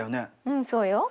うんそうよ。